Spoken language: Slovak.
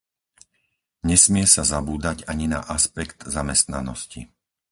Nesmie sa zabúdať ani na aspekt zamestnanosti.